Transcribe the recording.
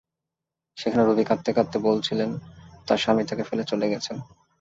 সেখানে রুবী কাঁদতে কাঁদতে বলছিলেন, তাঁর স্বামী তাঁকে ফেলে চলে গেছেন।